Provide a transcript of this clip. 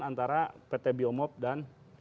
antara pt biomob dan